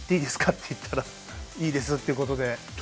って言ったら「いいです」ってことで。